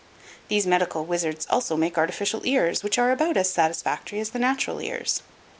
These medical wizards also make artificial ears which are about as satisfactory as the natural ears.